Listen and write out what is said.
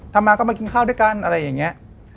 ทำมาก็มากินข้าวด้วยกันอะไรอย่างนี้